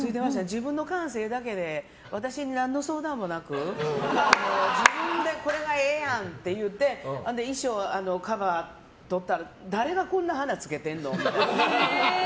自分の感性だけで私に何の相談もなく自分でこれがええやんって言うて衣装、カバーとったら誰がこんな花つけてんの？って。